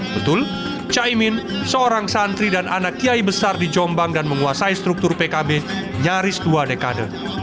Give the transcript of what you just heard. betul caimin seorang santri dan anak kiai besar di jombang dan menguasai struktur pkb nyaris dua dekade